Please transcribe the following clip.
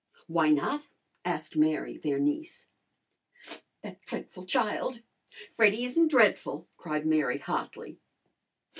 "Why not?" asked Mary, their niece. "That dreadful child!" "Freddy isn't dreadful!" cried Mary hotly.